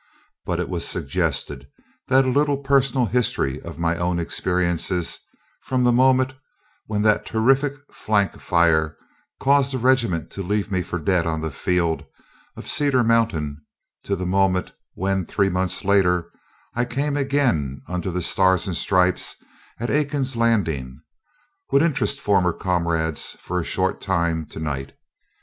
But it was suggested that a little personal history of my own experiences, from the moment when that terrific flank fire caused the regiment to leave me for dead on the field of Cedar Mountain to the moment when, three months later, I again came under the stars and stripes at Aiken's Landing, would interest former comrades for a short time to night.